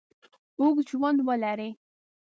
اوږد ژوند ولري.